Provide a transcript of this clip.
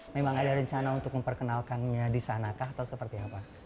memang ada rencana untuk memperkenalkannya di sanakah atau seperti apa